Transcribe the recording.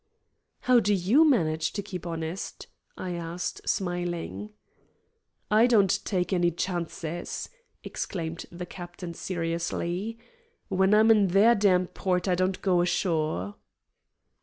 "How do YOU manage to keep honest," I asked, smiling. "I don't take any chances," exclaimed the captain seriously. "When I'm in their damned port I don't go ashore."